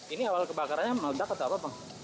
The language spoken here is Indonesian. ini awal kebakarannya malu dapet apa